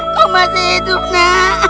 kamu masih hidupnya